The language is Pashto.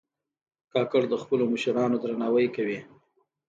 کاکړ د خپلو مشرانو درناوی کوي.